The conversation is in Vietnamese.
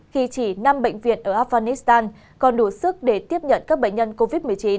khi chỉ năm bệnh viện ở afghanistan còn đủ sức để tiếp nhận các bệnh nhân covid một mươi chín